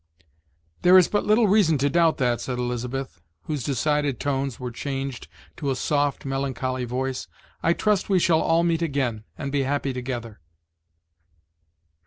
"There is but little reason to doubt that," said Elizabeth, whose decided tones were changed to a soft, melancholy voice; "I trust we shall all meet again, and be happy together."